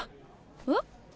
えっ？